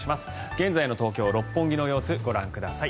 現在の東京・六本木の様子ご覧ください。